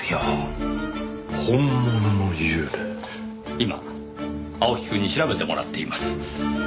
今青木くんに調べてもらっています。